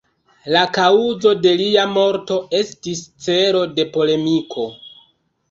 La kaŭzo de lia morto estis celo de polemiko.